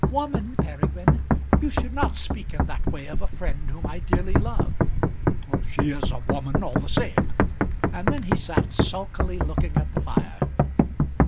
"Woman, Peregrine! You should not speak in that way of a friend whom I dearly love." "She is a woman all the same." And then he sat sulkily looking at the fire.